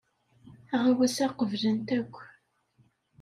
Aɣawas-a qeblen-t akk.